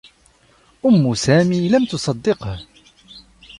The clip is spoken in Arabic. أمّ سامي لم تصدّقه.